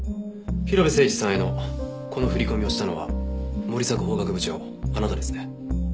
広辺誠児さんへのこの振り込みをしたのは森迫法学部長あなたですね？